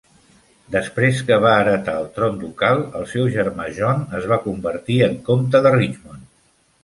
Després que va heretar el tron ducal, el seu germà John es va convertir en comte de Richmond.